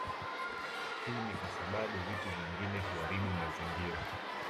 Hii ni kwa sababu vitu vingine huaribu mazingira